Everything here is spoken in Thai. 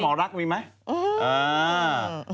มอรักให้มมือไหม